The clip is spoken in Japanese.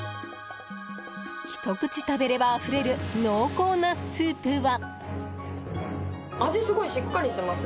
ひと口食べればあふれる濃厚なスープは。